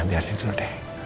nah biar itu deh